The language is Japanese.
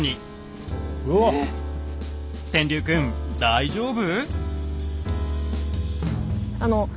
天龍くん大丈夫？